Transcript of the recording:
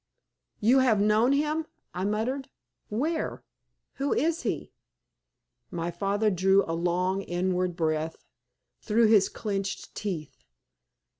"You have known him?" I murmured. "Where? Who is he?" My father drew a long, inward breath through his clenched teeth.